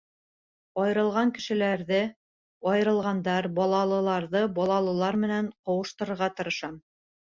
— Айырылған кешеләрҙе айырылғандар, балалыларҙы балалылар менән ҡауыштырырға тырышам.